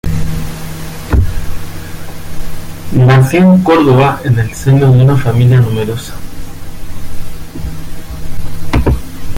Nació en Córdoba en el seno de una familia numerosa.